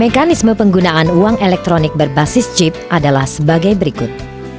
mekanisme penggunaan uang elektronik berbasis chip adalah sebagai berikut